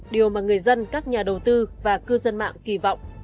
điều mà người dân các nhà đầu tư và cư dân mạng kỳ vọng